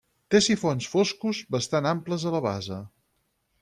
Té sifons foscos, bastant amples a la base.